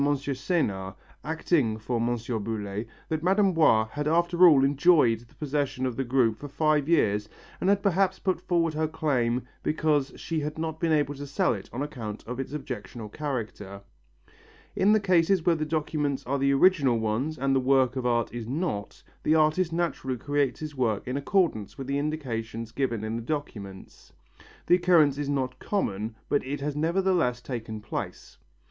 Senard, acting for M. Boullay, that Mme. Boiss had after all enjoyed the possession of the group for five years and had perhaps put forward her claim because she had not been able to sell it on account of its objectionable character. In the cases when the documents are the original ones and the work of art is not, the artist naturally creates his work in accordance with the indications given in the documents. The occurrence is not common, but it has nevertheless taken place.